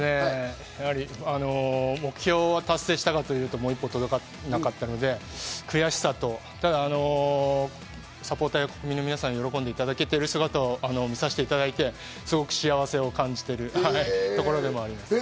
目標は達成したかというと、もう一歩届かなかったので、悔しさと、サポーターや国民の皆さんに喜んでいただけている姿を見させていただいて、すごく幸せを感じているところでもあります。